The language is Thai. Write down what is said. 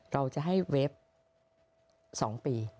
เราจะให้เว็บ๒ปี